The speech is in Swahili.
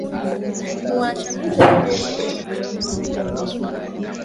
Wanachama wa jamhuri kwenye jopo hilo